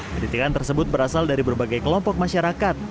kritikan tersebut berasal dari berbagai kelompok masyarakat